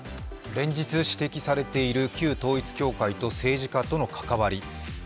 連日、指摘されている旧統一教会と政治家との関わり。